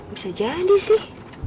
bisa jadi sih